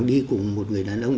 đi cùng một người đàn ông